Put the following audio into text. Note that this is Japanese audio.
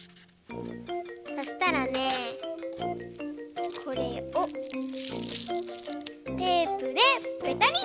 そしたらねこれをテープでぺたり！